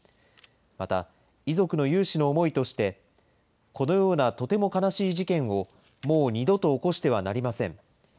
また遺族の有志の思いとして、このようなとても悲しい事件をもう二度と起こしてはなりません。